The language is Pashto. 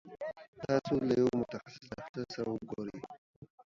تاسو له يوه متخصص ډاکټر سره وخت ونيسي